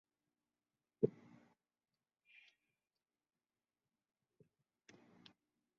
মধ্যযুগীয় ইংল্যান্ড এবং উত্তর ইউরোপের অন্যান্য অঞ্চলে মাংসের উৎস হিসেবে শূকর ছিল সর্বাধিক পালিত পশু।